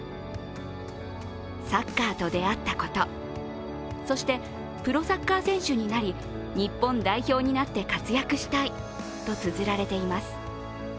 サッカーと出会ったこと、そしてプロサッカー選手になり日本代表になって活躍したいとつづられています。